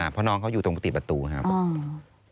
เพราะน้องเขาอยู่ตรงประตูครับ